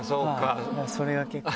それが結構。